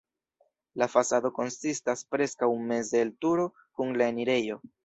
La fasado konsistas preskaŭ meze el turo kun la enirejo.